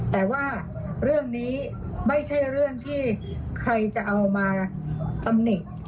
แต่ว่าเรื่องนี้ไม่ใช่เรื่องที่ใครจะเอามาตำหนิ